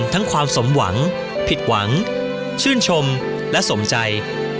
ความสมหวังผิดหวังชื่นชมและสมใจ